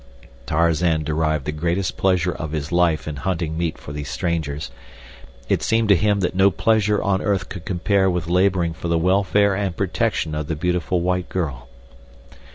Tarzan derived the greatest pleasure of his life in hunting meat for these strangers. It seemed to him that no pleasure on earth could compare with laboring for the welfare and protection of the beautiful white girl.